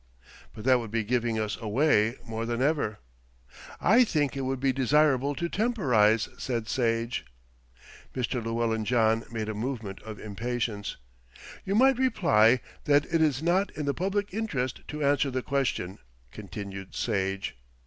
"But that would be giving us away more than ever." "I think it would be desirable to temporise," said Sage. Mr. Llewellyn John made a movement of impatience. "You might reply that it is not in the public interest to answer the question," continued Sage.